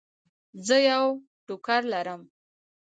زه یو ټوکر لرم.